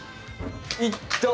いった！